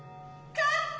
勝った！